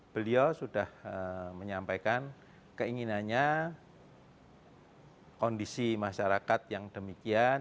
beliau sudah menyampaikan keinginannya kondisi masyarakat yang demikian